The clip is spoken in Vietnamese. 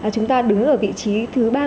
chúng ta đứng ở vị trí thứ